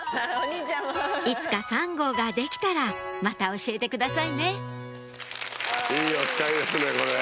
いつか３号ができたらまた教えてくださいねいいおつかいですねこれ。